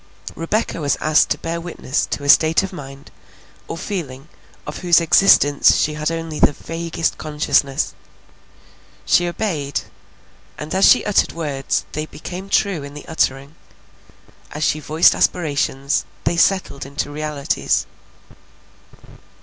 Rebecca was asked to bear witness to a state of mind or feeling of whose existence she had only the vaguest consciousness. She obeyed, and as she uttered words they became true in the uttering; as she voiced aspirations they settled into realities.